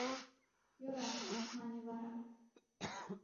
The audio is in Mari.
— Йӧра, — мане вара.